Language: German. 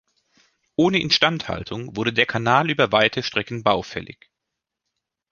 Ohne Instandhaltung wurde der Kanal über weite Strecken baufällig.